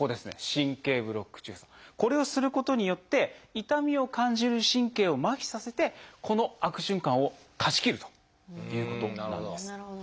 これをすることによって痛みを感じる神経を麻痺させてこの悪循環を断ち切るということなんです。